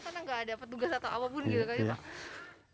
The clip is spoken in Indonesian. karena gak ada petugas atau apapun gitu ya pak